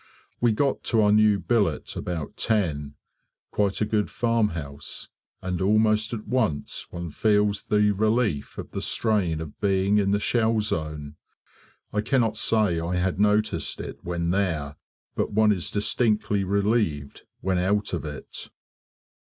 We got to our new billet about 10 quite a good farmhouse; and almost at once one feels the relief of the strain of being in the shell zone. I cannot say I had noticed it when there; but one is distinctly relieved when out of it.